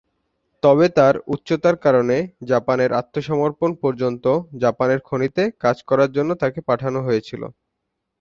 তবে, তার উচ্চতার কারণে, জাপানের আত্মসমর্পণ পর্যন্ত জাপানের খনিতে কাজ করার জন্য তাকে পাঠানো হয়েছিল।